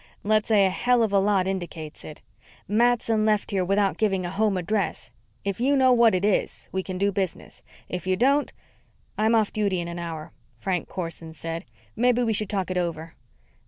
"Let's say a hell of a lot indicates it. Matson left here without giving a home address. If you know what it is, we can do business. If you don't " "I'm off duty in an hour," Frank Corson said. "Maybe we should talk it over."